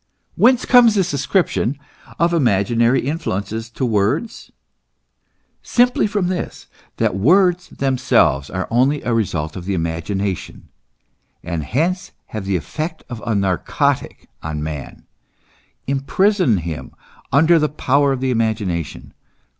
Whence comes this ascription of imaginary influences to words ? Simply from this, that words themselves are only a result of the imagination, and hence have the effect of a narcotic on man, imprison him under the power of the imagination.